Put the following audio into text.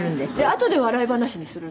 あとで笑い話にするんです。